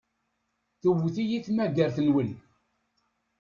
Tewwet-iyi tmagart-nwen.